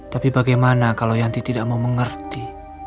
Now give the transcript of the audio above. tapi bagaimana kalau yanti tidak mau mengerti